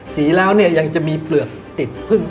สีแล้วยังจะมีเปลือกติด